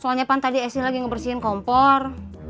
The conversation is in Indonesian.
soalnya pan tadi esy lagi ngebersihin kompor